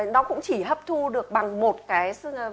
nó cũng chỉ hấp thu được bằng một cái